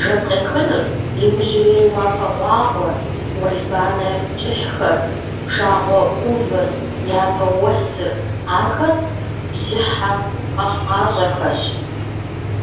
Жэп къехыныр, иужьрей уафэгъуагъуэр, уэлбанэ кӏыхьхэр, пшагъуэ ӏувыр, япэ уэсыр – ахэр бжьыхьэ къэхъукъащӏэхэщ.